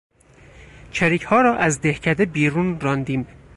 چریکها را از دهکده بیرون راندیم.